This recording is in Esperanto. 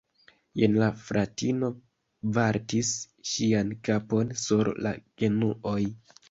Jen la fratino vartis ŝian kapon sur la genuoj.